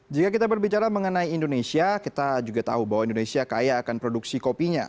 jika kita berbicara mengenai indonesia kita juga tahu bahwa indonesia kaya akan produksi kopinya